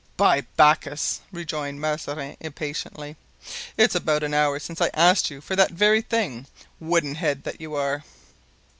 "By Bacchus!" rejoined Mazarin, impatiently, "it's about an hour since I asked you for that very thing, wooden head that you are."